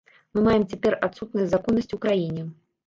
Мы маем цяпер адсутнасць законнасці ў краіне.